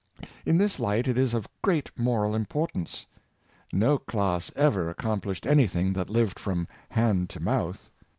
In this light it is of great moral importance. No class ever accomplished anything that lived from hand to mouth.